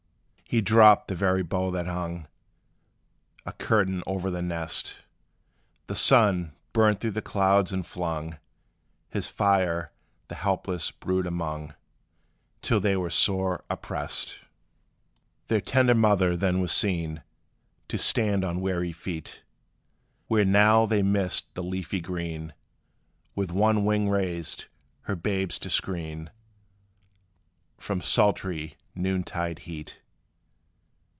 He dropped the very bough that hung A curtain o'er the nest. The sun burnt through the clouds, and flung His fire the helpless brood among, Till they were sore oppressed. Their tender mother then was seen To stand on weary feet, Where now they missed the leafy green, With one wing raised her babes to screen From sultry noontide heat.